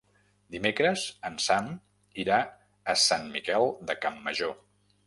Dimecres en Sam irà a Sant Miquel de Campmajor.